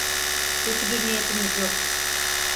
Kötü bir niyetimiz yoktu.